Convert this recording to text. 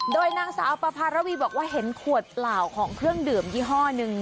โดยนางสาวปภารวีบอกว่าเห็นขวดเปล่าของเครื่องดื่มยี่ห้อหนึ่ง